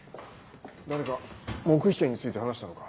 誰か黙秘権について話したのか？